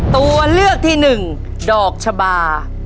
ตัวเลือกที่๑ดอกชบา